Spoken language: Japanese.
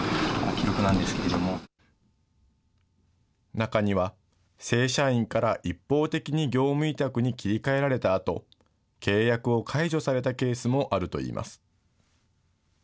中には、正社員から一方的に業務委託に切り替えられたあと、契約を解除されたケースもあるといいます。